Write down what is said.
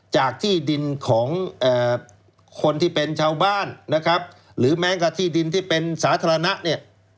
จากที่ดินของคนที่เป็นชาวบ้านนะครับหรือแม้กับที่ดินที่เป็นสาธารณะเนี่ย